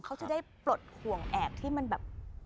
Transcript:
เขาจะได้ปลดห่วงแอบที่มันแบบ